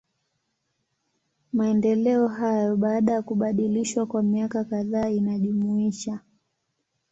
Maendeleo hayo, baada ya kubadilishwa kwa miaka kadhaa inajumuisha.